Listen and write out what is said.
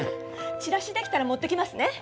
チラシ出来たら持ってきますね。